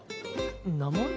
名前？